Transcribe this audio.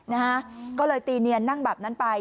นะฮะก็เลยตีเนียนนั่งแบบนั้นไป